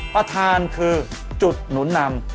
ประธานคือจุดหนุนนำ